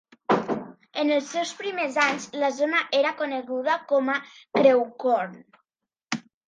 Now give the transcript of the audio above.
En els seus primers anys, la zona era coneguda com a Crewcorne.